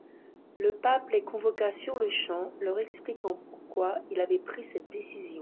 Le pape les convoqua sur-le-champ, leur expliquant pourquoi il avait pris cette décision.